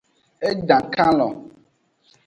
E dan kalon.